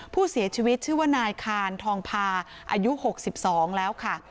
ผู้เสียชีวิตชื่อว่านายคานทองพาอายุ๖๒แล้วค่ะ